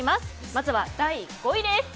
まず、第５位です。